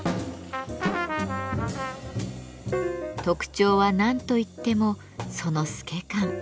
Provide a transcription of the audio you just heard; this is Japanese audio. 特徴は何と言ってもその透け感。